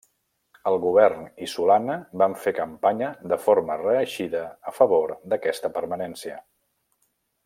El govern i Solana van fer campanya de forma reeixida a favor d'aquesta permanència.